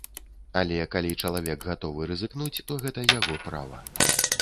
Але, калі чалавек гатовы рызыкнуць, то гэта яго права.